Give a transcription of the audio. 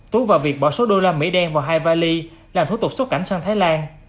tú và việt bỏ số đô la mỹ đen vào hai vali làm thủ tục xuất cảnh sang thái lan